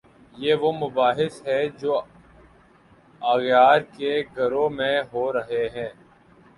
یہ وہ مباحث ہیں جو اغیار کے گھروں میں ہو رہے ہیں؟